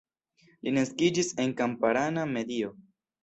Li naskiĝis en kamparana medio.